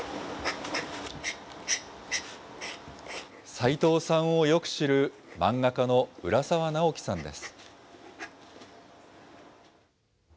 さいとうさんをよく知る、漫画家の浦沢直樹さんです。